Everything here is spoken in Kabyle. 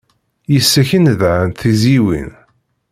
Yes-k i nedhent tezyiwin.